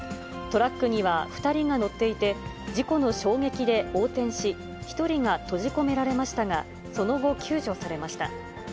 トラックには２人が乗っていて、事故の衝撃で横転し、１人が閉じ込められましたが、その後、救助されました。